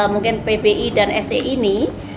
mungkin pbi dan se ini